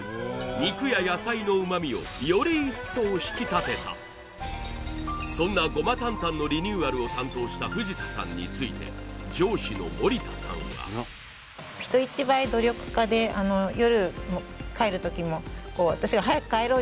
肉や野菜の旨味をより一層引き立てたそんなごま坦々のリニューアルを担当した藤田さんについて上司の森田さんはようなそんなメンバーです